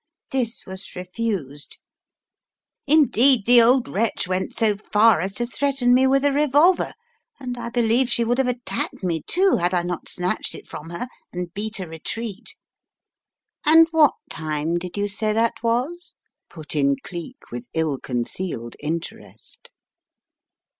This was refused. In deed, the old wretch went so far as to threaten me with a revolver, and I believe she would have at tacked me, too, had I not snatched it from her, and beat a retreat." "And what time did you say that was?" put in Cleek with ill concealed interest.